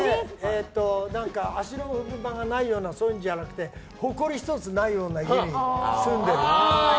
足の踏み場がないようなそんなのじゃなくてほこり１つないような家に住んでる。